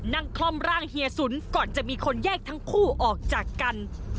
คล่อมร่างเฮียสุนก่อนจะมีคนแยกทั้งคู่ออกจากกัน